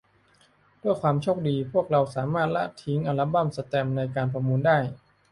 ด้วยความโชคดี พวกเราสามารถละทิ้งอัลบั้มแสตมป์ในการประมูลได้